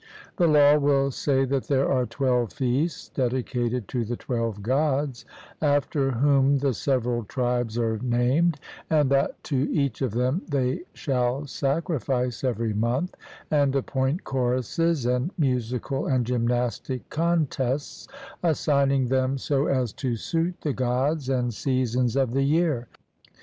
The law will say that there are twelve feasts dedicated to the twelve Gods, after whom the several tribes are named; and that to each of them they shall sacrifice every month, and appoint choruses, and musical and gymnastic contests, assigning them so as to suit the Gods and seasons of the year.